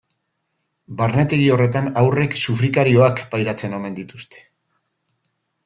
Barnetegi horretan haurrek sufrikarioak pairatzen omen dituzte.